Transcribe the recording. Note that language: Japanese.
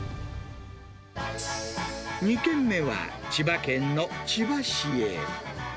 ２軒目は、千葉県の千葉市へ。